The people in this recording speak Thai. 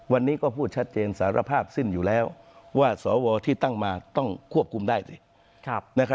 วันนี้ก็พูดชัดเจนสารภาพสิ้นอยู่แล้วว่าสวที่ตั้งมาต้องควบคุมได้สิ